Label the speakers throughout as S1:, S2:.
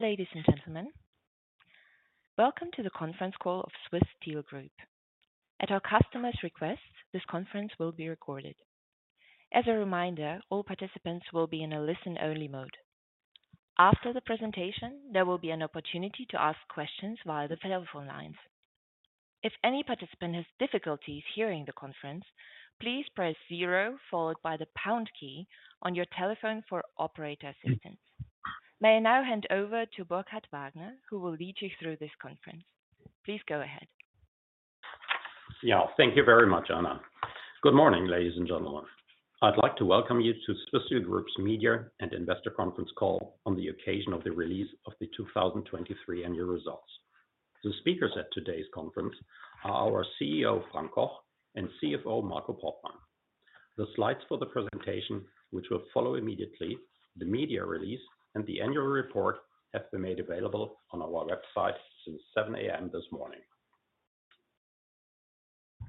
S1: Ladies and gentlemen, welcome to the Conference Call of Swiss Steel Group. At our customer's request, this conference will be recorded. As a reminder, all participants will be in a listen-only mode. After the presentation, there will be an opportunity to ask questions via the telephone lines. If any participant has difficulties hearing the conference, please press 0 followed by the pound key on your telephone for operator assistance. May I now hand over to Burkhard Wagner, who will lead you through this conference? Please go ahead.
S2: Yeah, thank you very much, Anna. Good morning, ladies and gentlemen. I'd like to welcome you to Swiss Steel Group's Media and Investor Conference Call on the occasion of the release of the 2023 annual results. The speakers at today's conference are our CEO, Frank Koch, and CFO, Marco Portmann. The slides for the presentation, which will follow immediately, the media release, and the annual report have been made available on our website since 7:00 A.M. this morning.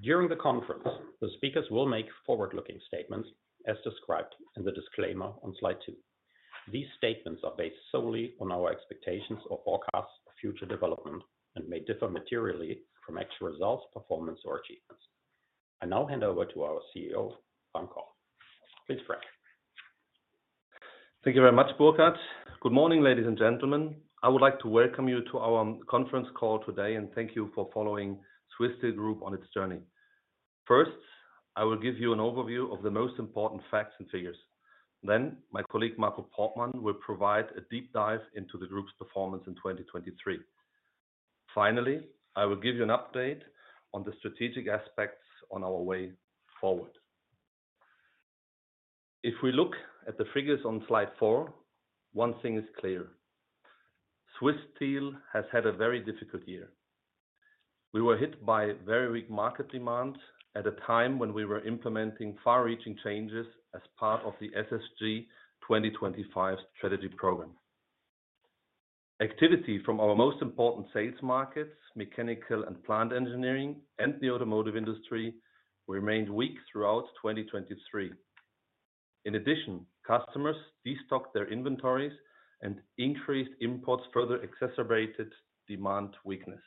S2: During the conference, the speakers will make forward-looking statements as described in the disclaimer on slide two. These statements are based solely on our expectations or forecasts of future development and may differ materially from actual results, performance, or achievements. I now hand over to our CEO, Frank Koch. Please, Frank.
S3: Thank you very much, Burkhard. Good morning, ladies and gentlemen. I would like to welcome you to our conference call today and thank you for following Swiss Steel Group on its journey. First, I will give you an overview of the most important facts and figures. Then my colleague, Marco Portmann, will provide a deep dive into the group's performance in 2023. Finally, I will give you an update on the strategic aspects on our way forward. If we look at the figures on slide four, one thing is clear: Swiss Steel has had a very difficult year. We were hit by very weak market demand at a time when we were implementing far-reaching changes as part of the SSG 2025 strategy program. Activity from our most important sales markets, mechanical and plant engineering, and the automotive industry remained weak throughout 2023. In addition, customers destocked their inventories and increased imports further exacerbated demand weakness.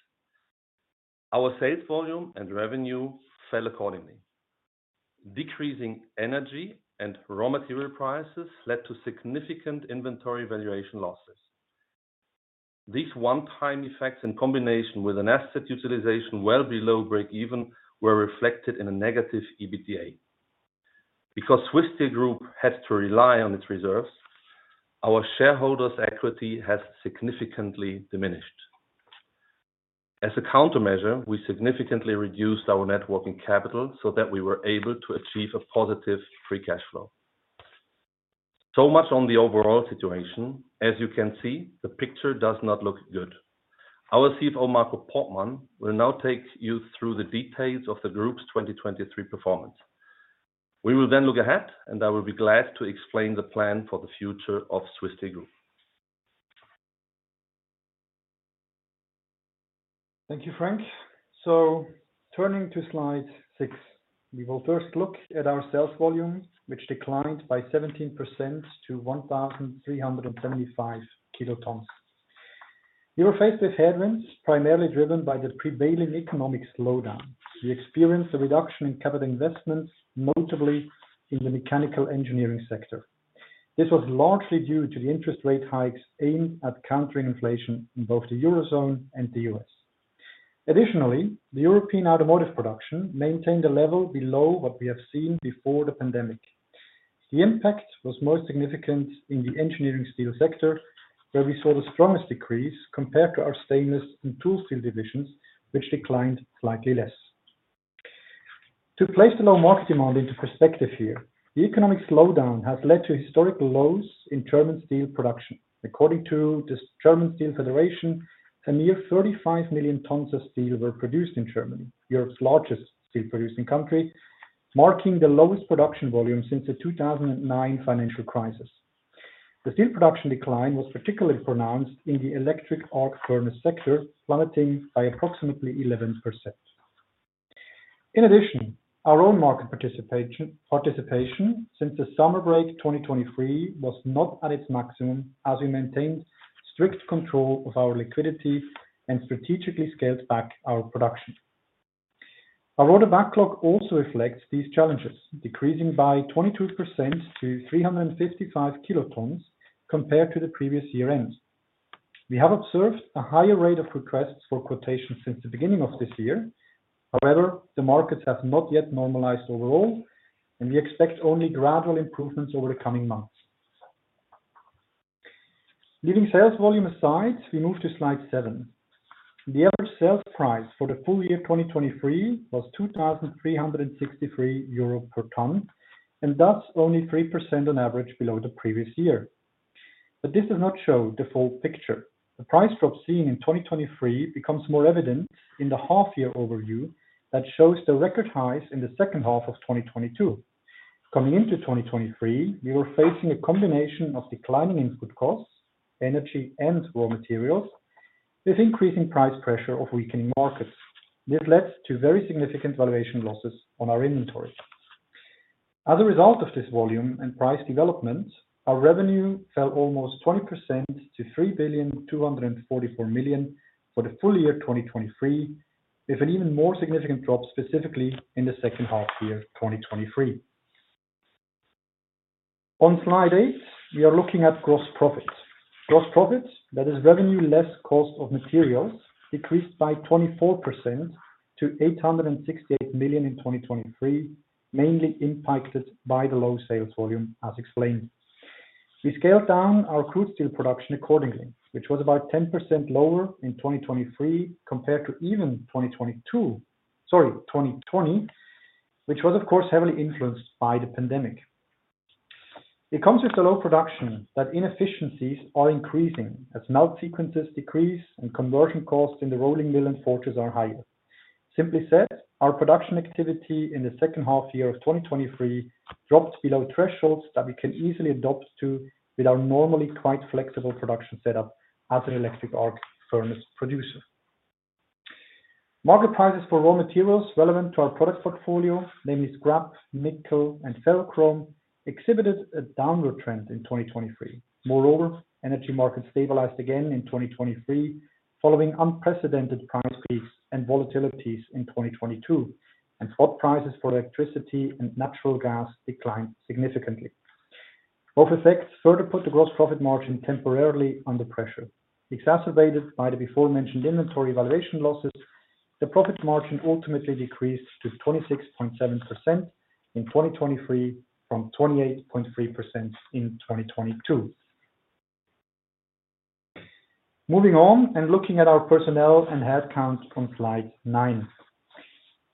S3: Our sales volume and revenue fell accordingly. Decreasing energy and raw material prices led to significant inventory valuation losses. These one-time effects, in combination with an asset utilization well below break-even, were reflected in a negative EBITDA. Because Swiss Steel Group has to rely on its reserves, our shareholders' equity has significantly diminished. As a countermeasure, we significantly reduced our net working capital so that we were able to achieve a positive free cash flow. So much on the overall situation. As you can see, the picture does not look good. Our CFO, Marco Portmann, will now take you through the details of the group's 2023 performance. We will then look ahead, and I will be glad to explain the plan for the future of Swiss Steel Group.
S4: Thank you, Frank. Turning to slide six, we will first look at our sales volume, which declined by 17% to 1,375 kilotons. We were faced with headwinds primarily driven by the prevailing economic slowdown. We experienced a reduction in capital investments, notably in the mechanical engineering sector. This was largely due to the interest rate hikes aimed at countering inflation in both the eurozone and the U.S. Additionally, the European automotive production maintained a level below what we have seen before the pandemic. The impact was most significant in the Engineering Steel sector, where we saw the strongest decrease compared to our Stainless and Tool Steel divisions, which declined slightly less. To place the low market demand into perspective here, the economic slowdown has led to historic lows in German steel production. According to the German Steel Federation, a mere 35 million tons of steel were produced in Germany, Europe's largest steel-producing country, marking the lowest production volume since the 2009 financial crisis. The steel production decline was particularly pronounced in the electric arc furnace sector, plummeting by approximately 11%. In addition, our own market participation since the summer break 2023 was not at its maximum as we maintained strict control of our liquidity and strategically scaled back our production. Our order backlog also reflects these challenges, decreasing by 22% to 355 kilotons compared to the previous year-end. We have observed a higher rate of requests for quotations since the beginning of this year. However, the markets have not yet normalized overall, and we expect only gradual improvements over the coming months. Leaving sales volume aside, we move to slide seven. The average sales price for the full year 2023 was 2,363 euro per ton and thus only 3% on average below the previous year. But this does not show the full picture. The price drop seen in 2023 becomes more evident in the half-year overview that shows the record highs in the second half of 2022. Coming into 2023, we were facing a combination of declining input costs, energy, and raw materials with increasing price pressure of weakening markets. This led to very significant valuation losses on our inventory. As a result of this volume and price development, our revenue fell almost 20% to 3,244 million for the full year 2023, with an even more significant drop specifically in the second half-year 2023. On slide eight, we are looking at gross profit. Gross profit, that is revenue less cost of materials, decreased by 24% to 868 million in 2023, mainly impacted by the low sales volume, as explained. We scaled down our crude steel production accordingly, which was about 10% lower in 2023 compared to even 2022 sorry, 2020, which was, of course, heavily influenced by the pandemic. It comes with the low production that inefficiencies are increasing as melt sequences decrease and conversion costs in the rolling mill and forges are higher. Simply said, our production activity in the second half-year of 2023 dropped below thresholds that we can easily adopt to with our normally quite flexible production setup as an electric arc furnace producer. Market prices for raw materials relevant to our product portfolio, namely scrap, nickel, and ferrochrome, exhibited a downward trend in 2023. Moreover, energy markets stabilized again in 2023 following unprecedented price peaks and volatilities in 2022, and spot prices for electricity and natural gas declined significantly. Both effects further put the gross profit margin temporarily under pressure. Exacerbated by the before-mentioned inventory valuation losses, the profit margin ultimately decreased to 26.7% in 2023 from 28.3% in 2022. Moving on and looking at our personnel and headcount on slide nine.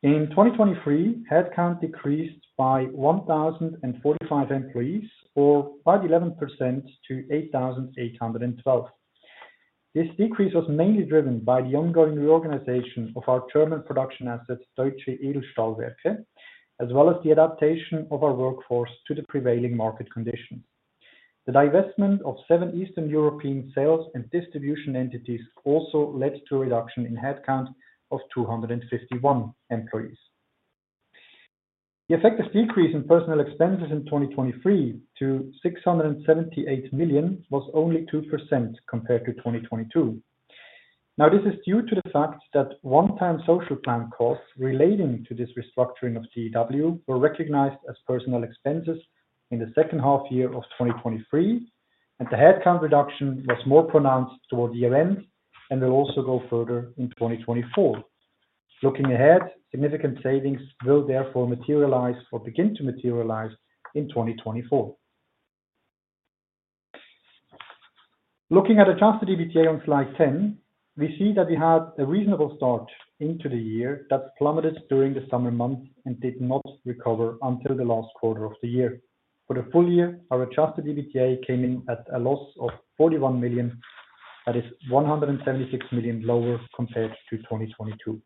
S4: In 2023, headcount decreased by 1,045 employees or by 11% to 8,812. This decrease was mainly driven by the ongoing reorganization of our German production assets, Deutsche Edelstahlwerke, as well as the adaptation of our workforce to the prevailing market conditions. The divestment of seven Eastern European sales and distribution entities also led to a reduction in headcount of 251 employees. The effective decrease in personnel expenses in 2023 to 678 million was only 2% compared to 2022. Now, this is due to the fact that one-time social plan costs relating to this restructuring of DEW were recognized as personnel expenses in the second half-year of 2023, and the headcount reduction was more pronounced toward year-end and will also go further in 2024. Looking ahead, significant savings will therefore materialize or begin to materialize in 2024. Looking at adjusted EBITDA on slide 10, we see that we had a reasonable start into the year that plummeted during the summer months and did not recover until the last quarter of the year. For the full year, our adjusted EBITDA came in at a loss of 41 million, that is 176 million lower compared to 2022.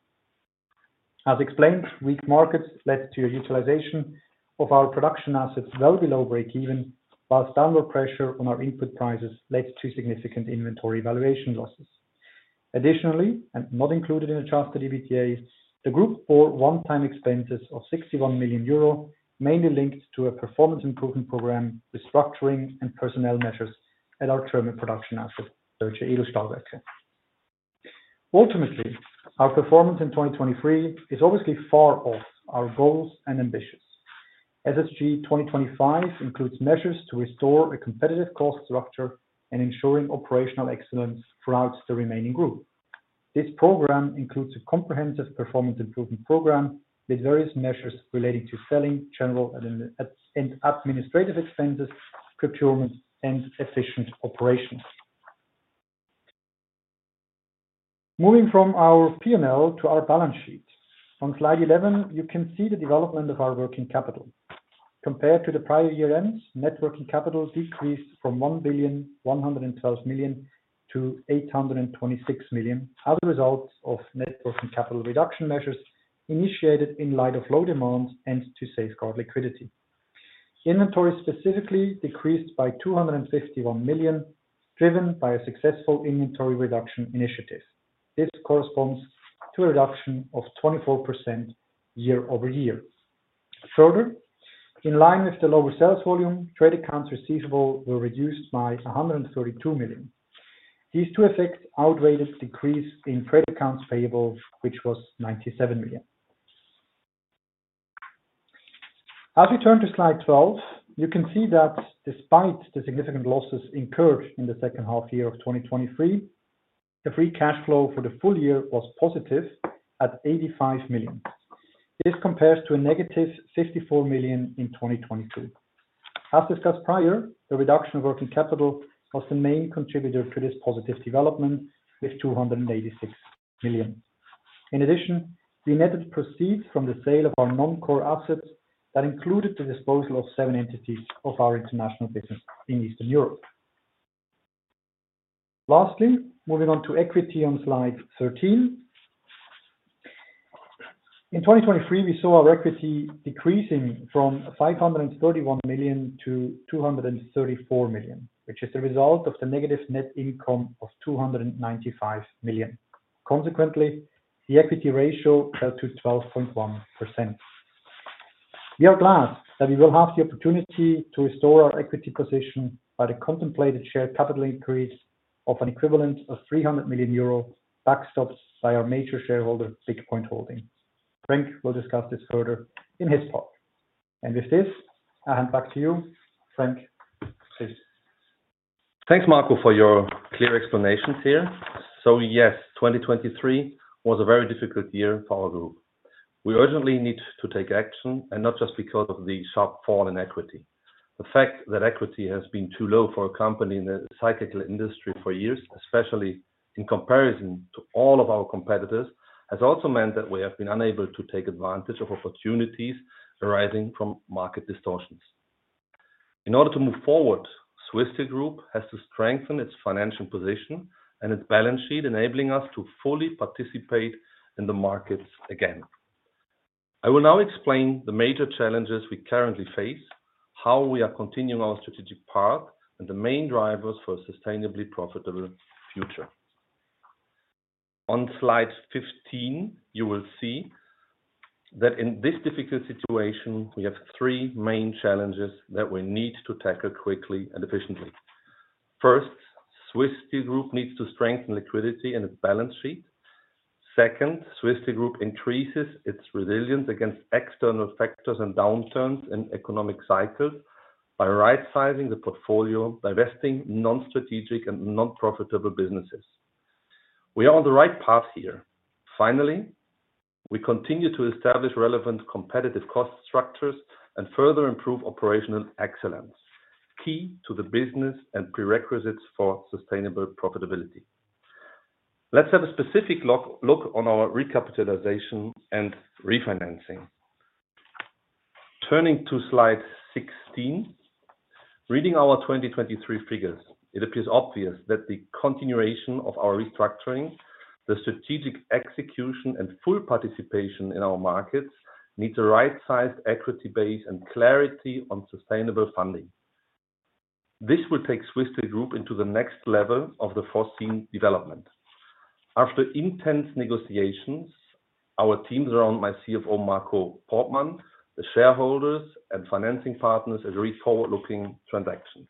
S4: As explained, weak markets led to a utilization of our production assets well below break-even, whilst downward pressure on our input prices led to significant inventory valuation losses. Additionally, and not included in adjusted EBITDA, the group bore one-time expenses of 61 million euro mainly linked to a performance improvement program, restructuring, and personnel measures at our German production assets, Deutsche Edelstahlwerke. Ultimately, our performance in 2023 is obviously far off our goals and ambitions. SSG 2025 includes measures to restore a competitive cost structure and ensuring operational excellence throughout the remaining group. This program includes a comprehensive performance improvement program with various measures relating to selling, general, and administrative expenses, procurement, and efficient operations. Moving from our P&L to our balance sheet. On slide 11, you can see the development of our net working capital. Compared to the prior year-end, net working capital decreased from 1,112 million to 826 million as a result of net working capital reduction measures initiated in light of low demand and to safeguard liquidity. Inventory specifically decreased by 251 million driven by a successful inventory reduction initiative. This corresponds to a reduction of 24% year-over-year. Further, in line with the lower sales volume, credit accounts receivable were reduced by 132 million. These two effects outweighed a decrease in credit accounts payable, which was 97 million. As we turn to slide 12, you can see that despite the significant losses incurred in the second half-year of 2023, the free cash flow for the full year was positive at 85 million. This compares to a negative 54 million in 2022. As discussed prior, the reduction of working capital was the main contributor to this positive development with 286 million. In addition, we netted proceeds from the sale of our non-core assets that included the disposal of 7 entities of our international business in Eastern Europe. Lastly, moving on to equity on slide 13. In 2023, we saw our equity decreasing from 531 million to 234 million, which is the result of the negative net income of 295 million. Consequently, the equity ratio fell to 12.1%. We are glad that we will have the opportunity to restore our equity position by the contemplated share capital increase of an equivalent of 300 million euro backstopped by our major shareholder, BigPoint Holding. Frank will discuss this further in his part. And with this, I hand back to you. Frank, please.
S3: Thanks, Marco, for your clear explanations here. Yes, 2023 was a very difficult year for our group. We urgently need to take action, and not just because of the sharp fall in equity. The fact that equity has been too low for a company in the cyclical industry for years, especially in comparison to all of our competitors, has also meant that we have been unable to take advantage of opportunities arising from market distortions. In order to move forward, Swiss Steel Group has to strengthen its financial position and its balance sheet, enabling us to fully participate in the markets again. I will now explain the major challenges we currently face, how we are continuing our strategic path, and the main drivers for a sustainably profitable future. On slide 15, you will see that in this difficult situation, we have three main challenges that we need to tackle quickly and efficiently. First, Swiss Steel Group needs to strengthen liquidity in its balance sheet. Second, Swiss Steel Group increases its resilience against external factors and downturns in economic cycles by right-sizing the portfolio, divesting non-strategic and non-profitable businesses. We are on the right path here. Finally, we continue to establish relevant competitive cost structures and further improve operational excellence, key to the business and prerequisites for sustainable profitability. Let's have a specific look on our recapitalization and refinancing. Turning to slide 16, reading our 2023 figures, it appears obvious that the continuation of our restructuring, the strategic execution, and full participation in our markets needs a right-sized equity base and clarity on sustainable funding. This will take Swiss Steel Group into the next level of the foreseen development. After intense negotiations, our teams around my CFO, Marco Portmann, the shareholders, and financing partners agreed forward-looking transactions.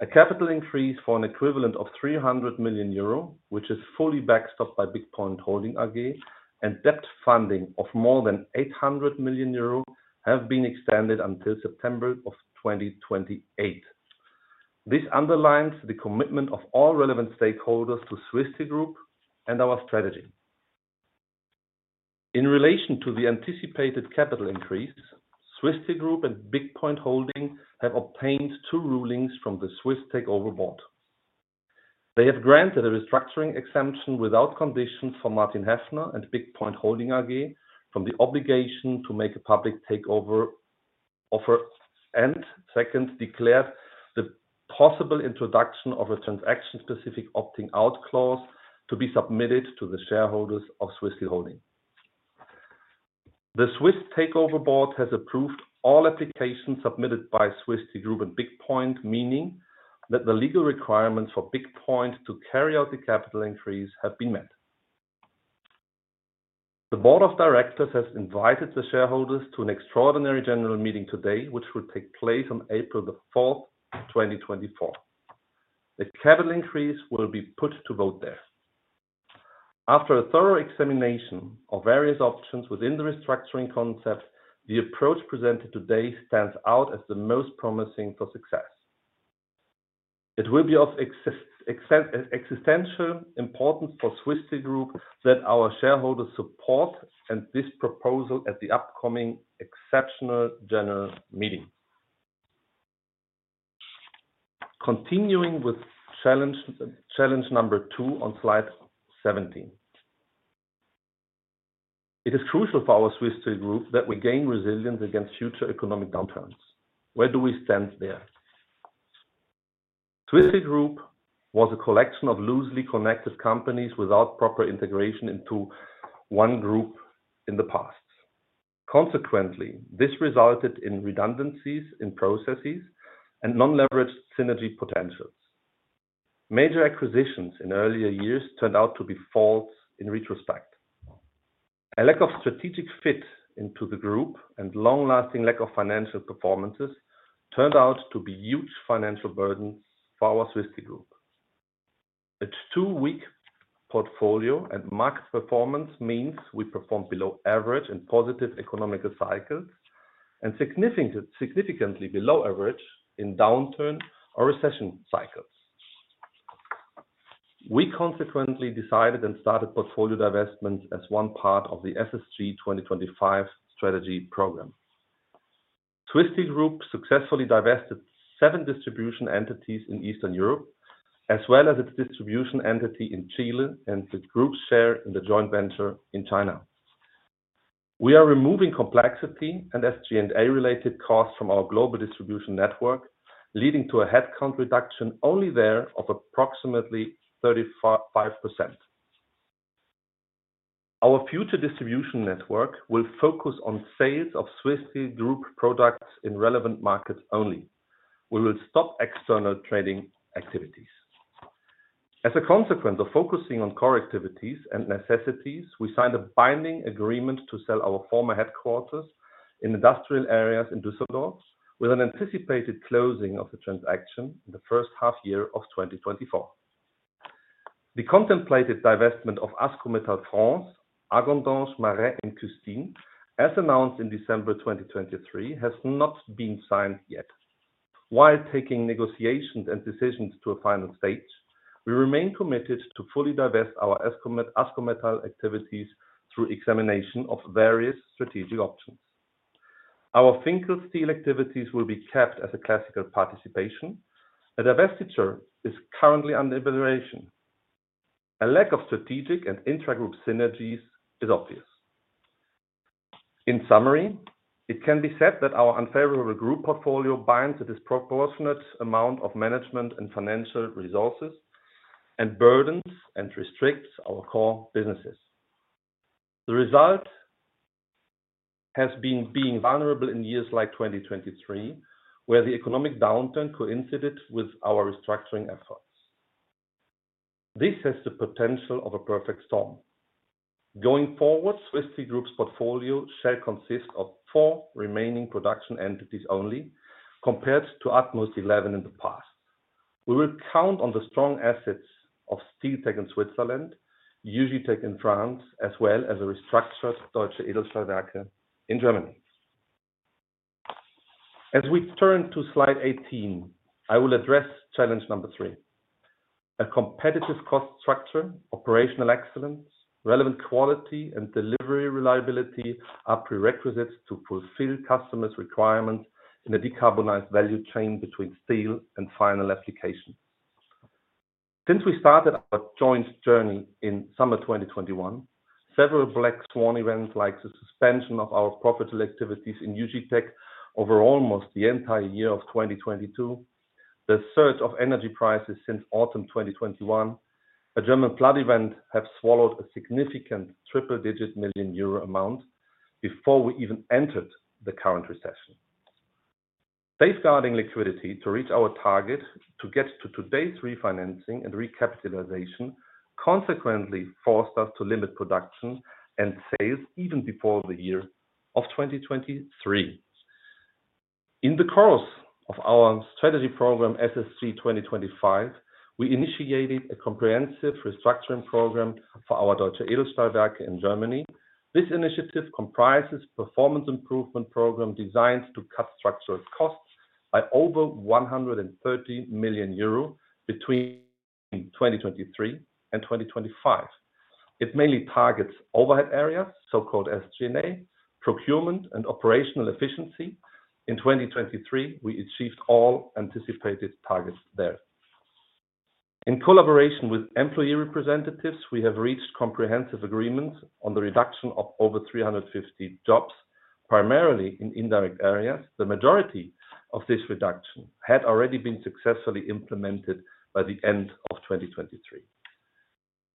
S3: A capital increase for an equivalent of 300 million euro, which is fully backstopped by BigPoint Holding AG, and debt funding of more than 800 million euro have been extended until September of 2028. This underlines the commitment of all relevant stakeholders to Swiss Steel Group and our strategy. In relation to the anticipated capital increase, Swiss Steel Group and BigPoint Holding have obtained two rulings from the Swiss Takeover Board. They have granted a restructuring exemption without conditions for Martin Haefner and BigPoint Holding AG from the obligation to make a public takeover offer, and second, declared the possible introduction of a transaction-specific opting-out clause to be submitted to the shareholders of Swiss Steel Holding. The Swiss Takeover Board has approved all applications submitted by Swiss Steel Group and BigPoint, meaning that the legal requirements for BigPoint to carry out the capital increase have been met. The Board of Directors has invited the shareholders to an extraordinary general meeting today, which will take place on April the 4th, 2024. The capital increase will be put to vote there. After a thorough examination of various options within the restructuring concept, the approach presented today stands out as the most promising for success. It will be of existential importance for Swiss Steel Group that our shareholders support this proposal at the upcoming exceptional general meeting. Continuing with challenge number two on slide 17. It is crucial for our Swiss Steel Group that we gain resilience against future economic downturns. Where do we stand there? Swiss Steel Group was a collection of loosely connected companies without proper integration into one group in the past. Consequently, this resulted in redundancies in processes and non-leveraged synergy potentials. Major acquisitions in earlier years turned out to be faults in retrospect. A lack of strategic fit into the group and long-lasting lack of financial performances turned out to be huge financial burdens for our Swiss Steel Group. A 2-week portfolio and market performance means we performed below average in positive economic cycles and significantly below average in downturn or recession cycles. We consequently decided and started portfolio divestments as one part of the SSG 2025 strategy program. Swiss Steel Group successfully divested seven distribution entities in Eastern Europe, as well as its distribution entity in Chile and the group's share in the joint venture in China. We are removing complexity and SG&A-related costs from our global distribution network, leading to a headcount reduction only there of approximately 35%. Our future distribution network will focus on sales of Swiss Steel Group products in relevant markets only. We will stop external trading activities. As a consequence of focusing on core activities and necessities, we signed a binding agreement to sell our former headquarters in industrial areas in Düsseldorf with an anticipated closing of the transaction in the first half-year of 2024. The contemplated divestment of Ascometal France, Hagondange, Le Marais, and Custines, and, as announced in December 2023, has not been signed yet. While taking negotiations and decisions to a final stage, we remain committed to fully divest our Ascometal activities through examination of various strategic options. Our Finkl activities will be kept as a classical participation. A divestiture is currently under evaluation. A lack of strategic and intra-group synergies is obvious. In summary, it can be said that our unfavorable group portfolio binds a disproportionate amount of management and financial resources and burdens and restricts our core businesses. The result has been being vulnerable in years like 2023, where the economic downturn coincided with our restructuring efforts. This has the potential of a perfect storm. Going forward, Swiss Steel Group's portfolio shall consist of four remaining production entities only compared to utmost 11 in the past. We will count on the strong assets of Steeltec in Switzerland, Ugitech in France, as well as a restructured Deutsche Edelstahlwerke in Germany. As we turn to slide 18, I will address challenge number three. A competitive cost structure, operational excellence, relevant quality, and delivery reliability are prerequisites to fulfill customers' requirements in a decarbonized value chain between steel and final application. Since we started our joint journey in summer 2021, several black swan events like the suspension of our profitable activities in Ugitech over almost the entire year of 2022, the surge of energy prices since autumn 2021, a German flood event have swallowed a significant triple-digit million EUR amount before we even entered the current recession. Safeguarding liquidity to reach our target to get to today's refinancing and recapitalization consequently forced us to limit production and sales even before the year of 2023. In the course of our strategy program, SSG 2025, we initiated a comprehensive restructuring program for our Deutsche Edelstahlwerke in Germany. This initiative comprises a performance improvement program designed to cut structural costs by over 130 million euro between 2023 and 2025. It mainly targets overhead areas, so-called SG&A, procurement, and operational efficiency. In 2023, we achieved all anticipated targets there. In collaboration with employee representatives, we have reached comprehensive agreements on the reduction of over 350 jobs, primarily in indirect areas. The majority of this reduction had already been successfully implemented by the end of 2023.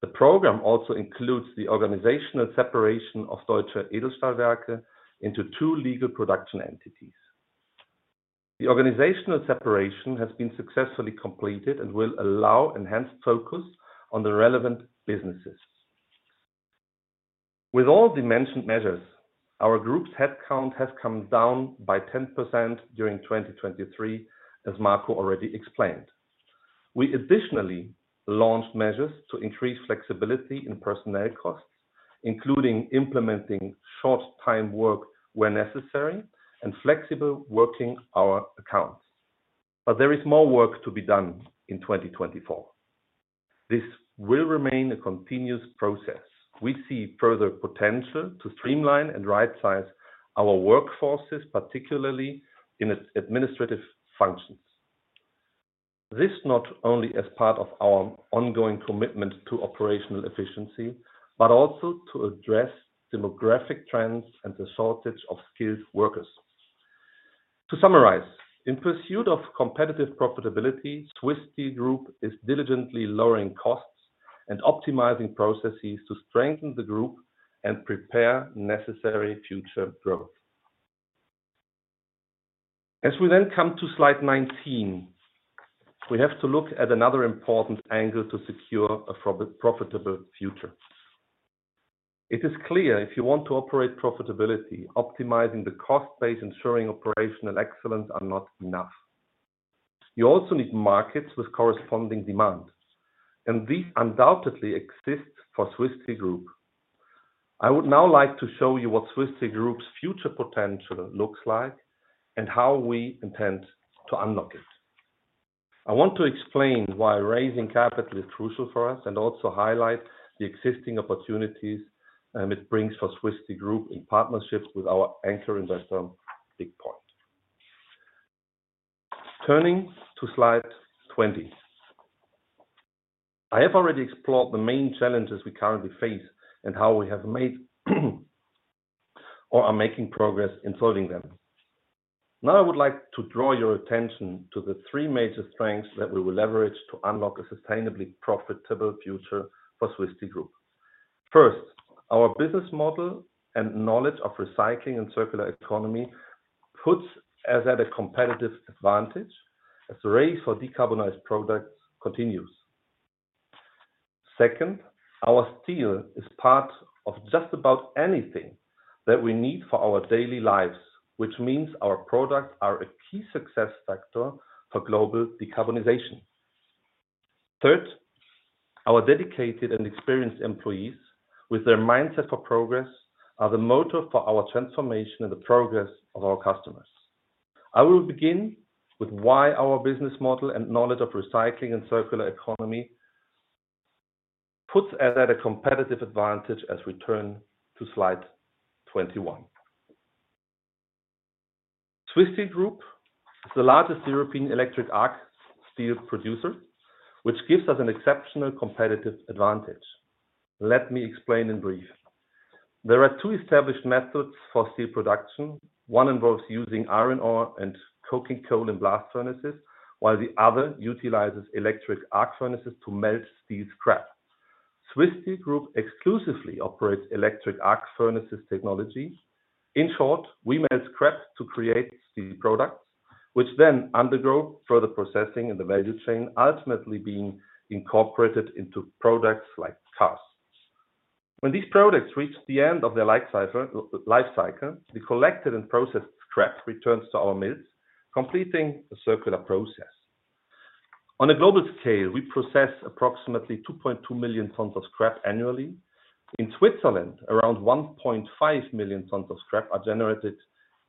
S3: The program also includes the organizational separation of Deutsche Edelstahlwerke into two legal production entities. The organizational separation has been successfully completed and will allow enhanced focus on the relevant businesses. With all the mentioned measures, our group's headcount has come down by 10% during 2023, as Marco already explained. We additionally launched measures to increase flexibility in personnel costs, including implementing short-time work where necessary and flexible working hour accounts. But there is more work to be done in 2024. This will remain a continuous process. We see further potential to streamline and right-size our workforces, particularly in its administrative functions. This not only as part of our ongoing commitment to operational efficiency but also to address demographic trends and the shortage of skilled workers. To summarize, in pursuit of competitive profitability, Swiss Steel Group is diligently lowering costs and optimizing processes to strengthen the group and prepare necessary future growth. As we then come to slide 19, we have to look at another important angle to secure a profitable future. It is clear if you want to operate profitably, optimizing the cost base, ensuring operational excellence are not enough. You also need markets with corresponding demand. This undoubtedly exists for Swiss Steel Group. I would now like to show you what Swiss Steel Group's future potential looks like and how we intend to unlock it. I want to explain why raising capital is crucial for us and also highlight the existing opportunities it brings for Swiss Steel Group in partnership with our anchor investor, BigPoint. Turning to slide 20. I have already explored the main challenges we currently face and how we have made or are making progress in solving them. Now, I would like to draw your attention to the three major strengths that we will leverage to unlock a sustainably profitable future for Swiss Steel Group. First, our business model and knowledge of recycling and circular economy puts us at a competitive advantage as the race for decarbonized products continues. Second, our steel is part of just about anything that we need for our daily lives, which means our products are a key success factor for global decarbonization. Third, our dedicated and experienced employees with their mindset for progress are the motor for our transformation and the progress of our customers. I will begin with why our business model and knowledge of recycling and circular economy puts us at a competitive advantage as we turn to slide 21. Swiss Steel Group is the largest European electric arc steel producer, which gives us an exceptional competitive advantage. Let me explain in brief. There are two established methods for steel production. One involves using iron ore and coking coal in blast furnaces, while the other utilizes electric arc furnaces to melt steel scrap. Swiss Steel Group exclusively operates electric arc furnaces technology. In short, we melt scrap to create steel products, which then undergo further processing in the value chain, ultimately being incorporated into products like cars. When these products reach the end of their life cycle, the collected and processed scrap returns to our mills, completing a circular process. On a global scale, we process approximately 2.2 million tons of scrap annually. In Switzerland, around 1.5 million tons of scrap are generated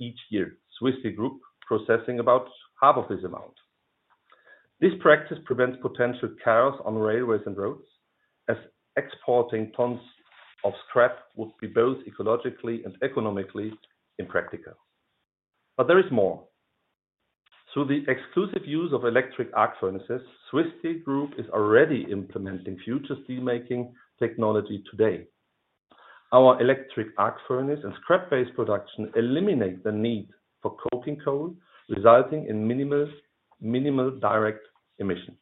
S3: each year. Swiss Steel Group processing about half of this amount. This practice prevents potential chaos on railways and roads, as exporting tons of scrap would be both ecologically and economically impractical. There is more. Through the exclusive use of electric arc furnaces, Swiss Steel Group is already implementing future steelmaking technology today. Our electric arc furnace and scrap-based production eliminate the need for coking coal, resulting in minimal direct emissions.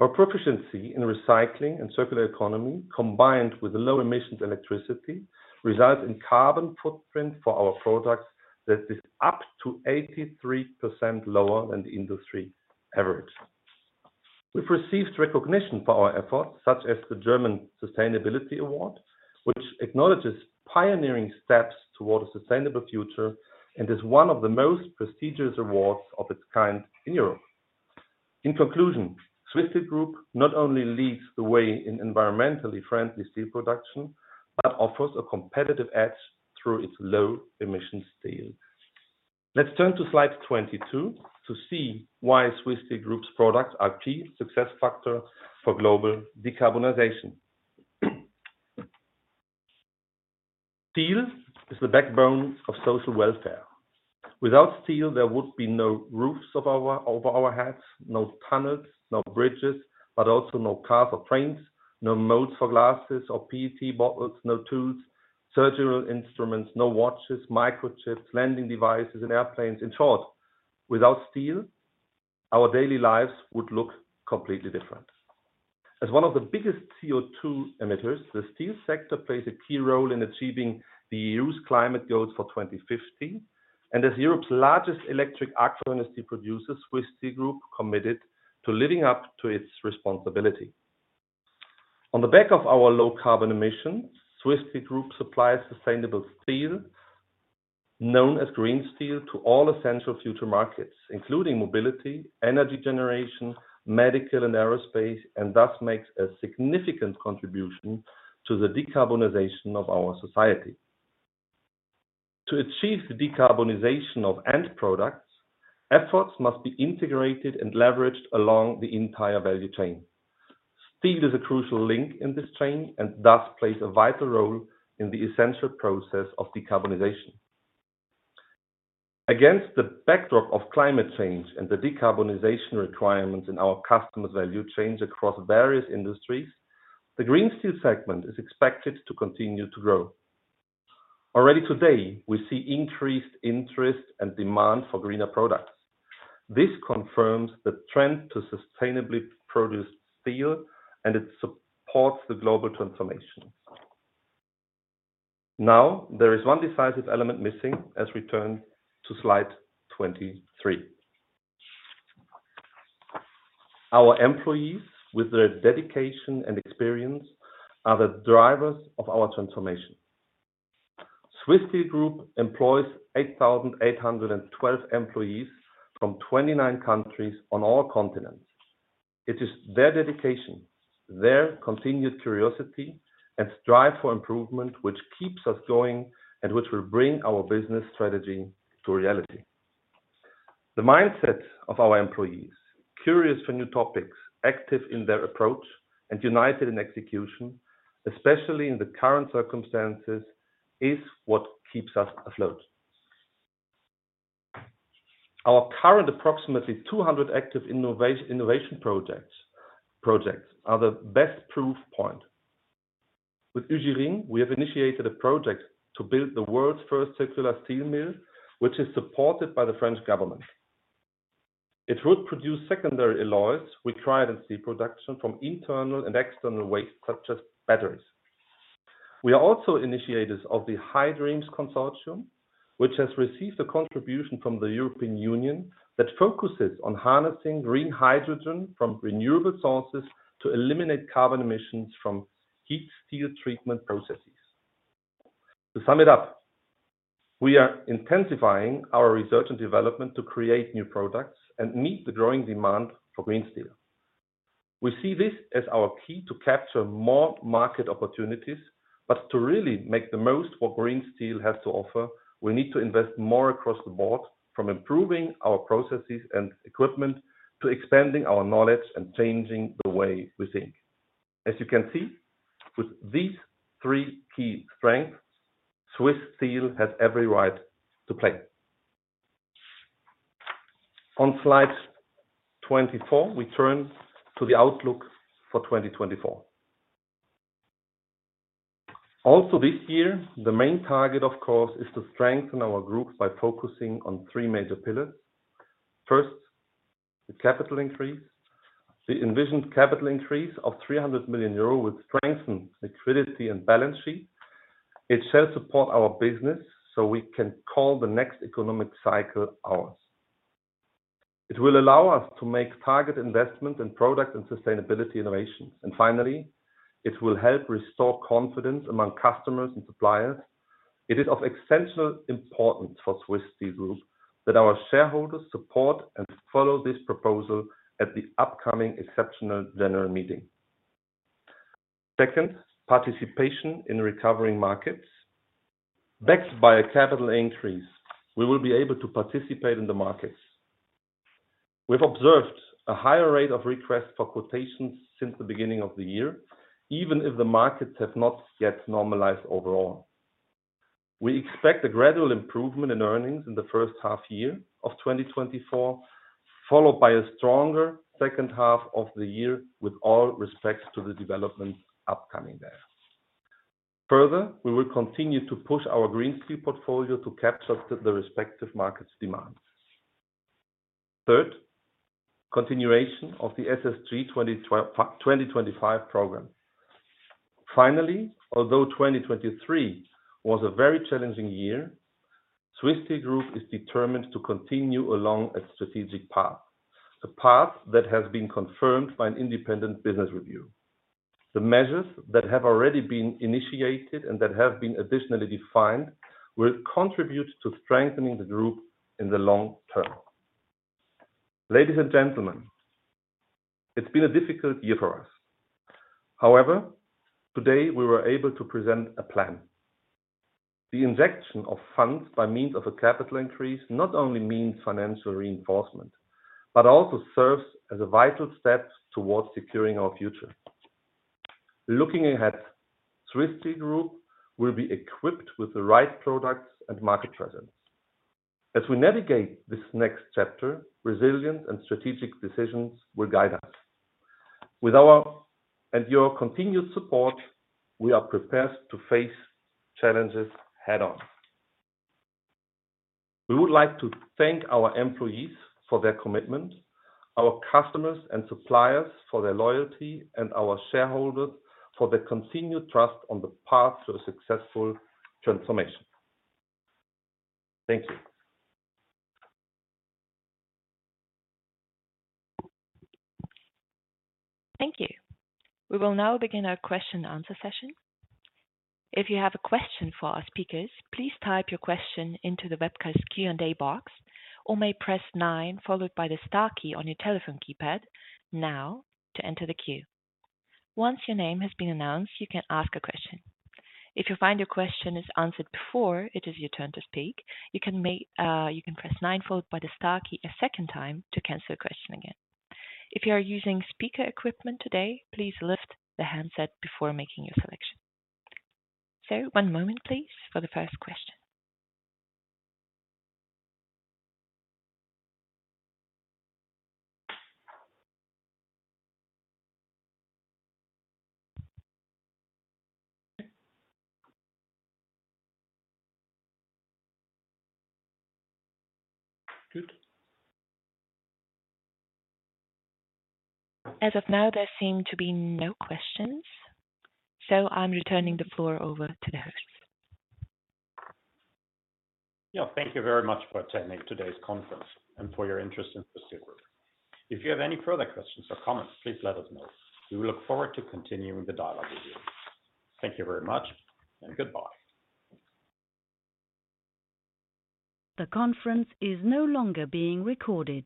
S3: Our proficiency in recycling and circular economy, combined with low-emissions electricity, results in carbon footprint for our products that is up to 83% lower than the industry average. We've received recognition for our efforts, such as the German Sustainability Award, which acknowledges pioneering steps toward a sustainable future and is one of the most prestigious awards of its kind in Europe. In conclusion, Swiss Steel Group not only leads the way in environmentally friendly steel production but offers a competitive edge through its low-emissions steel. Let's turn to slide 22 to see why Swiss Steel Group's products are a key success factor for global decarbonization. Steel is the backbone of social welfare. Without steel, there would be no roofs over our heads, no tunnels, no bridges, but also no cars or trains, no modes for glasses or PET bottles, no tools, surgical instruments, no watches, microchips, landing devices, and airplanes. In short, without steel, our daily lives would look completely different. As one of the biggest CO2 emitters, the steel sector plays a key role in achieving the EU's climate goals for 2050. As Europe's largest electric arc furnace steel producer, Swiss Steel Group committed to living up to its responsibility. On the back of our low carbon emissions, Swiss Steel Group supplies sustainable steel, known as Green Steel, to all essential future markets, including mobility, energy generation, medical, and aerospace, and thus makes a significant contribution to the decarbonization of our society. To achieve the decarbonization of end products, efforts must be integrated and leveraged along the entire value chain. Steel is a crucial link in this chain and thus plays a vital role in the essential process of decarbonization. Against the backdrop of climate change and the decarbonization requirements in our customers' value chain across various industries, the green steel segment is expected to continue to grow. Already today, we see increased interest and demand for greener products. This confirms the trend to sustainably produce steel and it supports the global transformation. Now, there is one decisive element missing as we turn to slide 23. Our employees, with their dedication and experience, are the drivers of our transformation. Swiss Steel Group employs 8,812 employees from 29 countries on all continents. It is their dedication, their continued curiosity, and strive for improvement which keeps us going and which will bring our business strategy to reality. The mindset of our employees, curious for new topics, active in their approach, and united in execution, especially in the current circumstances, is what keeps us afloat. Our current approximately 200 active innovation projects are the best proof point. With UgiRing, we have initiated a project to build the world's first circular steel mill, which is supported by the French government. It would produce secondary alloys required in steel production from internal and external waste, such as batteries. We are also initiators of the HyDreams Consortium, which has received a contribution from the European Union that focuses on harnessing green hydrogen from renewable sources to eliminate carbon emissions from heat steel treatment processes. To sum it up, we are intensifying our research and development to create new products and meet the growing demand for Green Steel. We see this as our key to capture more market opportunities. But to really make the most of what Green Steel has to offer, we need to invest more across the board, from improving our processes and equipment to expanding our knowledge and changing the way we think. As you can see, with these three key strengths, Swiss Steel has every right to play. On slide 24, we turn to the outlook for 2024. Also this year, the main target, of course, is to strengthen our group by focusing on three major pillars. First, the capital increase. The envisioned capital increase of 300 million euro will strengthen liquidity and balance sheet. It shall support our business so we can call the next economic cycle ours. It will allow us to make target investment in product and sustainability innovations. And finally, it will help restore confidence among customers and suppliers. It is of essential importance for Swiss Steel Group that our shareholders support and follow this proposal at the upcoming exceptional general meeting. Second, participation in recovering markets. Backed by a capital increase, we will be able to participate in the markets. We've observed a higher rate of requests for quotations since the beginning of the year, even if the markets have not yet normalized overall. We expect a gradual improvement in earnings in the first half year of 2024, followed by a stronger second half of the year in all respects to the developments upcoming there. Further, we will continue to push our green steel portfolio to capture the respective markets' demands. Third, continuation of the SSG 2025 program. Finally, although 2023 was a very challenging year, Swiss Steel Group is determined to continue along a strategic path, a path that has been confirmed by an independent business review. The measures that have already been initiated and that have been additionally defined will contribute to strengthening the group in the long term. Ladies and gentlemen, it's been a difficult year for us. However, today, we were able to present a plan. The injection of funds by means of a capital increase not only means financial reinforcement but also serves as a vital step towards securing our future. Looking ahead, Swiss Steel Group will be equipped with the right products and market presence. As we navigate this next chapter, resilience and strategic decisions will guide us. With our and your continued support, we are prepared to face challenges head-on. We would like to thank our employees for their commitment, our customers and suppliers for their loyalty, and our shareholders for their continued trust on the path to a successful transformation. Thank you.
S1: Thank you. We will now begin our question-and-answer session. If you have a question for our speakers, please type your question into the webcast Q&A box or may press 9 followed by the star key on your telephone keypad now to enter the queue. Once your name has been announced, you can ask a question. If you find your question is answered before, it is your turn to speak. You can press 9 followed by the star key a second time to cancel your question again. If you are using speaker equipment today, please lift the handset before making your selection. So one moment, please, for the first question.
S2: Good.
S1: As of now, there seem to be no questions. I'm returning the floor over to the hosts.
S2: Yeah. Thank you very much for attending today's conference and for your interest in Swiss Steel Group. If you have any further questions or comments, please let us know. We will look forward to continuing the dialogue with you. Thank you very much, and goodbye.
S3: The conference is no longer being recorded.